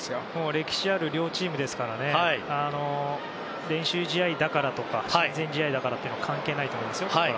歴史ある両チームなので練習試合だからとか親善試合だからというのは関係ないと思いますよ。